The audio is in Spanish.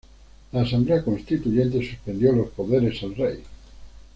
La Asamblea Constituyente suspendió los poderes al Rey.